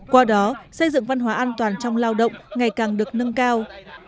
qua đó xây dựng văn hóa an toàn trong lao động ngày càng được nâng cao